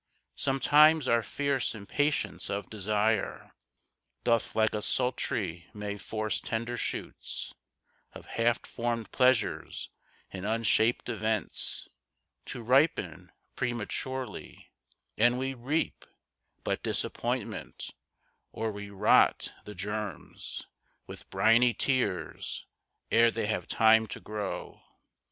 Sometimes our fierce impatience of desire Doth like a sultry May force tender shoots Of half formed pleasures and unshaped events To ripen prematurely, and we reap But disappointment; or we rot the germs With briny tears ere they have time to grow.